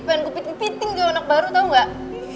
pengen gue piting piting ke anak baru tau gak